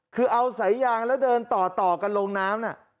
คือเอาสายยางแล้วเดินต่อกันลงน้ำ